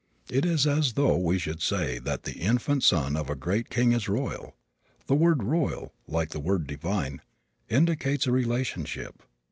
It is as though we should say that the infant son of a great king is royal. The word "royal," like the word "divine," indicates a relationship.